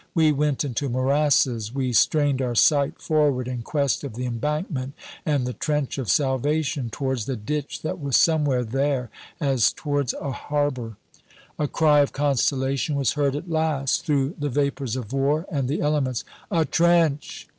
We went into morasses. We strained our sight forward in quest of the embankment and the trench of salvation, towards the ditch that was somewhere there, as towards a harbor. A cry of consolation was heard at last through the vapors of war and the elements "A trench!"